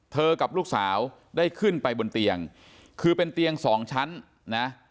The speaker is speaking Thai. กับลูกสาวได้ขึ้นไปบนเตียงคือเป็นเตียงสองชั้นนะ